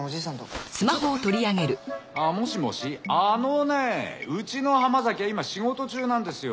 もしもしあのねうちの浜崎は今仕事中なんですよ。